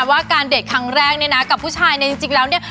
ว่าการเด็กครั้งแรกเนี่ยนะกับผู้ชายเนี่ยจริงแล้วเนี่ย